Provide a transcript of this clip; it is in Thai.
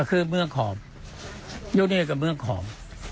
ก็คือเมืองขอมเยอะเนียกกับเมืองขอม